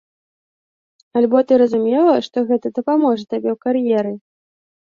Альбо ты разумела, што гэта дапаможа табе ў кар'еры?